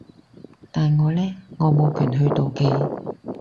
但我呢？我冇權去妒忌